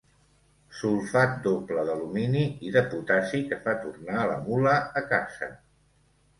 Sulfat doble d'alumini i de potassi que fa tornar la mula a casa.